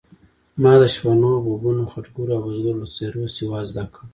ما د شپنو، غوبنو، خټګرو او بزګرو له څېرو سواد زده کړ.